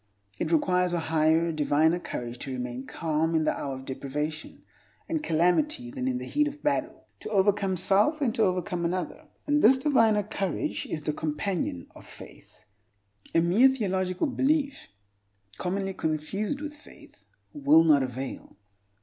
It requires a higher, diviner courage to remain calm in the hour of deprivation and calamity than in the heat of battle, to overcome self than to overcome another. And this diviner courage is the companion of faith. A mere theological belief (commonly confused with faith) will not avail.